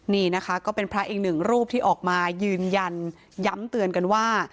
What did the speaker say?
นี่นะคะก็เป็นพระอีกหนึ่งรูปที่ออกมายืนยันย้ำเตือนกันว่า